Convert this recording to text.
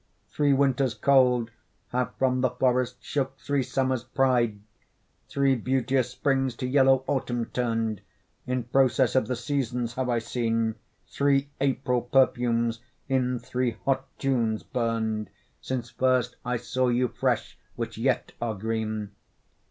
Three winters cold, Have from the forests shook three summers' pride, Three beauteous springs to yellow autumn turn'd, In process of the seasons have I seen, Three April perfumes in three hot Junes burn'd, Since first I saw you fresh, which yet are green.